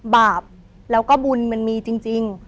บาปแล้วก็บุญมันมีจริง